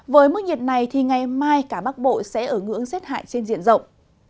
với mức nhiệt này ngày mai cả bắc bộ sẽ ở ngưỡng xét hại trên diện rộng